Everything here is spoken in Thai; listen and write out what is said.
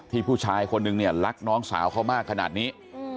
ผู้ชายคนนึงเนี่ยรักน้องสาวเขามากขนาดนี้